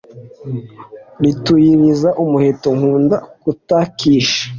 rutiyuhiza umuheto nkunda gutakisha,